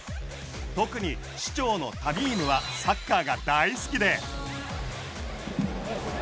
特に首長のタミームはサッカーが大好きで。